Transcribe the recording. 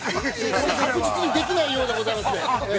◆確実にできないようでございます。